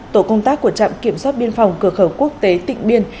tổ công tác của trạm kiểm soát biên phòng cửa khẩu quốc tế tịnh biên